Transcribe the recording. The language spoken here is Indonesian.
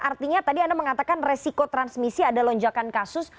artinya tadi anda mengatakan resiko transmisi ada lonjakan kasus